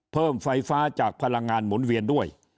เพิ่มไฟฟ้าจากพลังงานหมุนเวียนด้วย